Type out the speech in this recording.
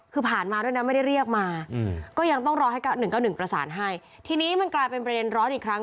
คือผ่านมาด้วยนะไม่ได้เรียกมาก็ยังต้องรอให้๑๙๑ประสานให้ทีนี้มันกลายเป็นประเด็นร้อนอีกครั้ง